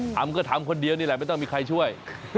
ทำก็ทำคนเดียวนี่แหละไม่ต้องมีใครช่วย